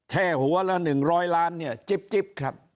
แท่หัวละหนึ่งร้อยล้านเนี่ยจิ๊บจิ๊บครับ